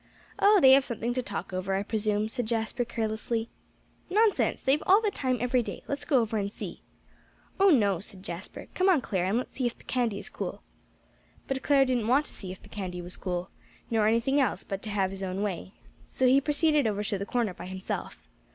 "Oh, they have something to talk over, I presume," said Jasper carelessly. "Nonsense! they've all the time every day. Let's go over and see." "Oh, no," said Jasper. "Come on, Clare, and let's see if the candy is cool." But Clare didn't want to see if the candy was cool, nor anything else but to have his own way. So he proceeded over to the corner by himself.